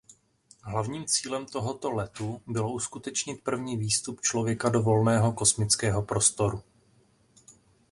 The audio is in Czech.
Hlavním cílem tohoto letu bylo uskutečnit první výstup člověka do volného kosmického prostoru.